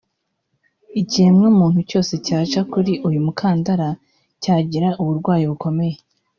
Ikiremwa muntu cyose cyaca kuri uyu mukandara cyagira uburwayi bukomeye